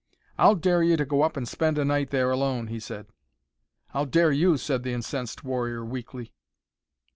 "I'll dare you to go up and spend a night there alone," he said. "I'll dare you," said the incensed warrior, weakly.